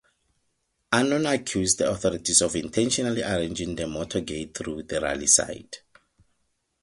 Anon accused the authorities of intentionally arranging the motorcade through the rally site.